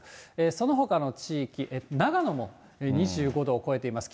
そのほかの地域、長野も２５度を超えています。